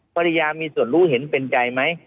ภรรยามีส่วนรู้เห็นเป็นใจไหม